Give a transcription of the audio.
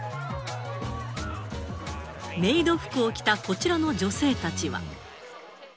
メイド服を着たこちらの女性たちは。